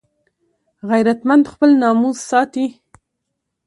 غیرتمند خپل ناموس ساتي